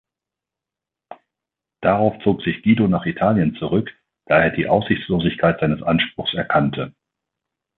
Darauf zog sich Guido nach Italien zurück, da er die Aussichtslosigkeit seines Anspruchs erkannte.